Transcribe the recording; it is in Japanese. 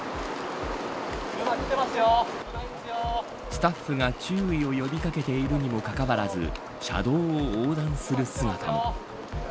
スタッフが注意を呼び掛けているにもかかわらず車道を横断する姿も。